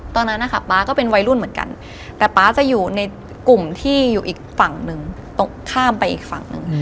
ตอนนั้นนะคะป๊าก็เป็นวัยรุ่นเหมือนกันแต่ป๊าจะอยู่ในกลุ่มที่อยู่อีกฝั่งหนึ่งตรงข้ามไปอีกฝั่งหนึ่ง